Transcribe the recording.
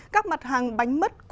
các mặt hàng bánh mất